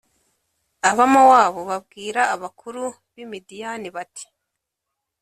abamowabu babwira abakuru b i midiyani bati